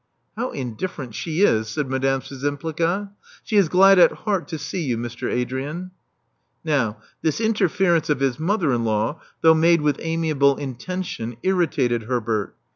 How indifferent she is!" said Madame Szczjrmplisa. *'She is glad at heart to see you, Mr. Adrian." Now, this interference of his mother in law, though made with amiable intention, irritated Herbert.